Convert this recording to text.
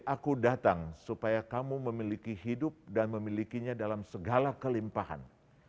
aku datang supaya kamu memiliki hidup dan memilikinya dalam segala kelimpahan